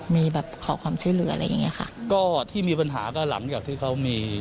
มีแบบขอความช่วยเหลืออะไรอย่างเงี้ยค่ะก็ที่มีปัญหาก็หลังจากที่เขามี